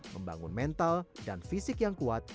membangun mental dan fisik yang kuat